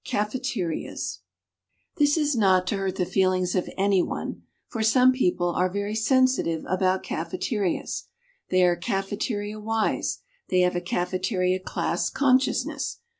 Cafeterias This is not to hurt the feelings of anyone, for some people are very sensitive about cafeterias. They are cafeteria wise, they have a cafeteria class consciousness.